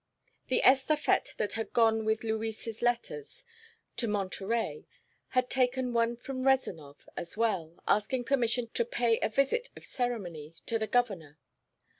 The estafette that had gone with Luis' letters to Monterey had taken one from Rezanov as well, asking permission to pay a visit of ceremony to the Governor.